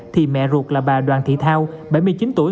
thì mẹ ruột là bà đoàn thị thao bảy mươi chín tuổi